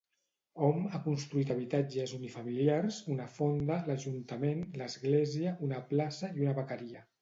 Hom ha construït habitatges unifamiliars, una fonda, l'ajuntament, l'església, una plaça i una vaqueria.